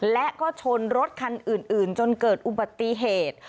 และก็ชนรถคันอื่นจนเกิดอุบัติเหตุ